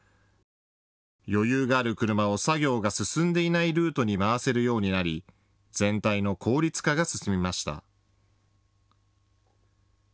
余裕がある車を作業が進んでいないルートに回せるようになり全体の効率化が進みました。